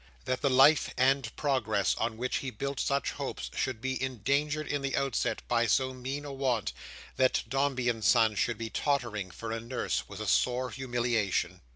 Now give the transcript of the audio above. That the life and progress on which he built such hopes, should be endangered in the outset by so mean a want; that Dombey and Son should be tottering for a nurse, was a sore humiliation.